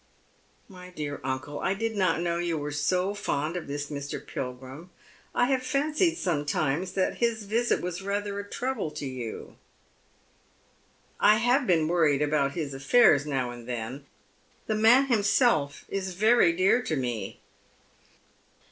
" My dear uncle, I did not know you were so fond of this Mr. Pilgrim. I have fancied sometimes that his visit was rather a trouble to you." " I have been worried about his affairs now and then. The man himself is very dear to me."